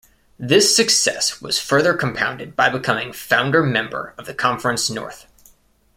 This success was further compounded by becoming founder member of the Conference North.